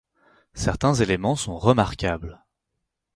Certains élément sont remarquables.